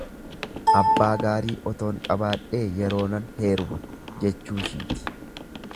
Abbaa gaarii otoon qabaadhee yeroonan heeruma jechuushiiti.